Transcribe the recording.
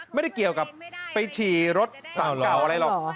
ไม่ได้เกี่ยวกับไปฉี่รถเก่าอะไรหรอก